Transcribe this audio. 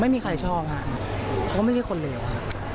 ไม่มีใครชอบฮะเขาก็ไม่ใช่คนเลวฮะ